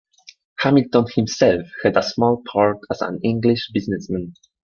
Hamilton himself had a small part as an English businessman.